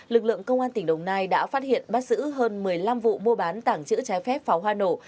lực lượng công an tỉnh đồng nai đã phát hiện bắt giữ hơn một mươi năm vụ mua bán tảng chữ trái phép pháo hoa nổ